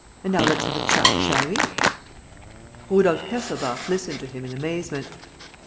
And now let's have a chat, shall we?" Rudolf Kesselbach listened to him in amazement.